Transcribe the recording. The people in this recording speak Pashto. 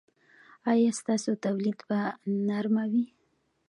ایا ستاسو تولیه به نرمه وي؟